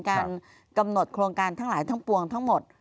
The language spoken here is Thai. การกำหนดโครงการทั้งหลายทั้งปวงทั้งหมด